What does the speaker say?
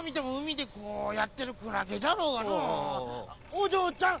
おじょうちゃん